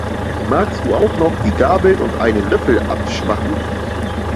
Magst du auch noch die Gabeln und einen Löffel abschwachen?